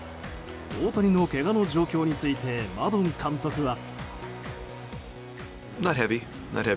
大谷のけがの状況についてマドン監督は。